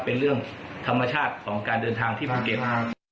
เป็นเรื่องธรรมชาติของการเดินทางที่ภูเก็ต